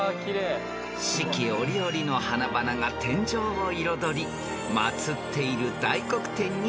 ［四季折々の花々が天井を彩り祭っている］